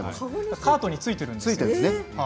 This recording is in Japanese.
カートについているんです。